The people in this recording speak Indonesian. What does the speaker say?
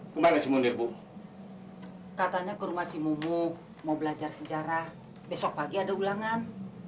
kemana sih munir bu katanya ke rumah si mumu mau belajar sejarah besok pagi ada ulangan